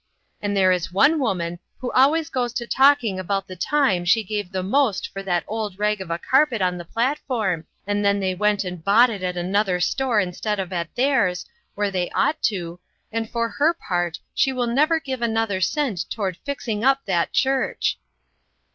And there is one woman who always goes to talking about the time she gave the most for that old rag of a carpet on the platform, and then they went and bought it at another 98 INTERRUPTED. store instead of at theirs, where they ought to, and for her part, she will never give another cent toward fixing up that church."